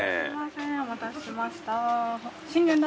お待たせしました。